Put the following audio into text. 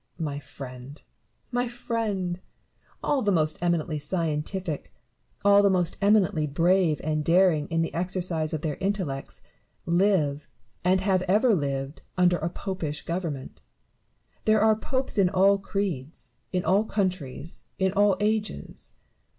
Barrow. My friend ! my friend ! all the most eminently scientific, all the most eminently brave and daring in the exercise of their intellects, live, and have ever lived, under a popish government. There are popes in all creeds, in all countries, in all ages.